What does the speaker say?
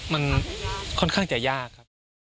มันค่อนข้างจะยาก